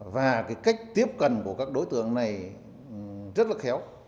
và cái cách tiếp cận của các đối tượng này rất là khéo